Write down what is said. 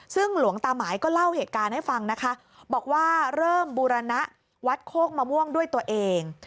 ซึ่งหลวงตาหมายก็เล่าเหตุการณ์ให้ฟังนะคะบอกว่าเริ่มบูรณะวัดโคกมะม่วงด้วยตัวเอง